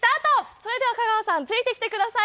それでは、香川さん、ついてきてください！